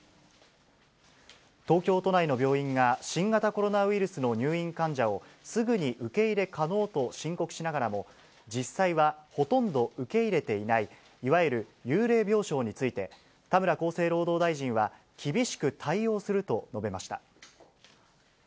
東京都内の病院が新型コロナウイルスの入院患者を、すぐに受け入れ可能と申告しながらも、実際はほとんど受け入れていない、いわゆる幽霊病床について、田村厚生労働大臣は、厳しく対応すると述べました。